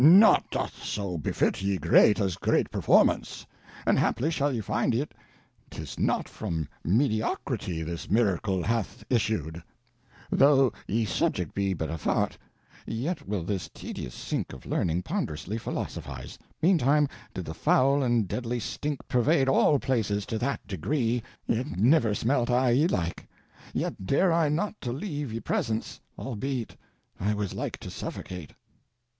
Naught doth so befit ye grete as grete performance; and haply shall ye finde yt 'tis not from mediocrity this miracle hath issued. [Tho' ye subjct be but a fart, yet will this tedious sink of learning pondrously phillosophize. Meantime did the foul and deadly stink pervade all places to that degree, yt never smelt I ye like, yet dare I not to leave ye presence, albeit I was like to suffocate.